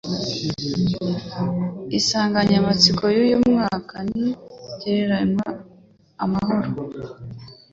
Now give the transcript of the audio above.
Insanganyamatsiko y' uyu mwaka ni gerayo amahoro